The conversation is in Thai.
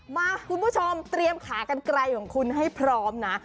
มาคุณผู้ชมเตรียมขากันไกลของคุณให้พร้อมนะ